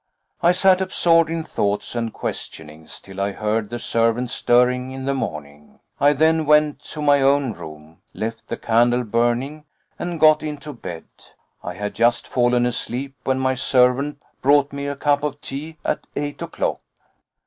I sat absorbed in thoughts and questionings till I heard the servants stirring in the morning. I then went to my own room, left the candle burning, and got into bed. I had just fallen asleep when my servant brought me a cup of tea at eight o'clock.